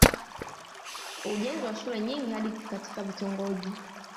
ujenzi wa shule nyingi hadi katika vitongoji